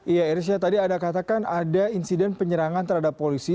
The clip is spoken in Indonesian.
iya irsya tadi anda katakan ada insiden penyerangan terhadap polisi